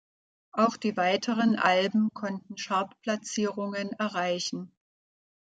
Auch die weiteren Alben konnten Chartplatzierungen erreichen.